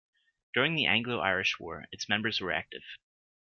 During the Anglo-Irish War, its members were active.